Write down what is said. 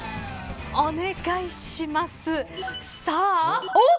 お願いします。